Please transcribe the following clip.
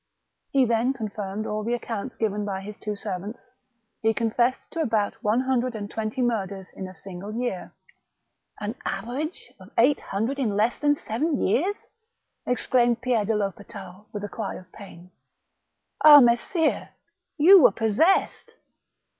He then confirmed all the accounts given by his two servants. He confessed to about one hundred and twenty murders in a single year. " An average of eight hundred in less than seven years !" exclaimed Pierre de THospital, with a cry of pain :" Ah ! messire, you were possessed